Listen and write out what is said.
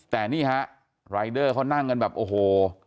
แต่นี่ฮะรายเดอร์เขานั่งกันแบบโอ้โห